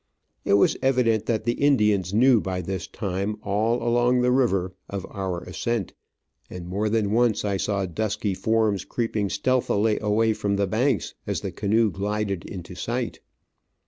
It was evident that the Indians knew by this time, all along the river, of our a:scent, and more than once I saw dusky forms creeping stealthily away from the banks as the canoe glided into sight.